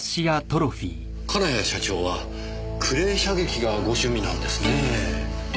金谷社長はクレー射撃がご趣味なんですねえ。